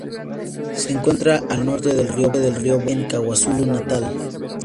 Se encuentra al norte del río Vaal y en KwaZulu-Natal.